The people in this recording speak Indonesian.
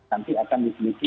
nanti akan diselidiki